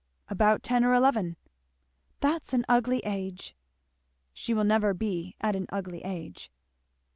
"About ten or eleven." "That's an ugly age." "She will never be at an ugly age."